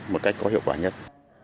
một cách có hiệu quả nhất